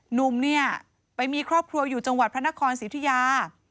หนุ่มเนี่ยไปมีครอบครัวอยู่จังหวัดพระนครสิทธิยา